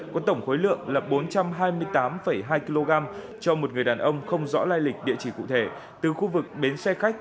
có tổng khối lượng là bốn trăm hai mươi tám hai kg cho một người đàn ông không rõ lai lịch địa chỉ cụ thể từ khu vực bến xe khách